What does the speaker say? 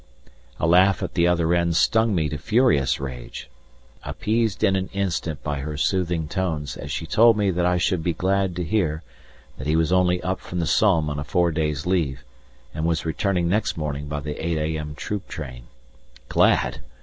A laugh at the other end stung me to furious rage, appeased in an instant by her soothing tones as she told me that I should be glad to hear that he was only up from the Somme on a four days leave, and was returning next morning by the 8 a.m. troop train. Glad!